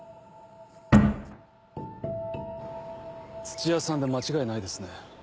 土屋さんで間違いないですね。